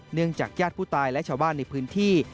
เนื่องจากญาติผู้ตายและชาวบ้านในพื้นที่